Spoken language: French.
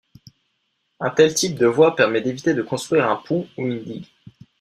Un tel type de voie permet d'éviter de construire un pont ou une digue.